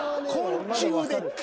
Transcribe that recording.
昆虫で蚊？